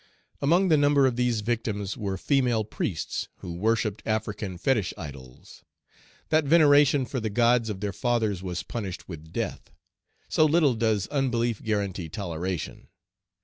Among the number of these victims were female priests, who worshipped African fetish idols. That veneration for the gods of their fathers was punished with death; so little does unbelief guarantee toleration.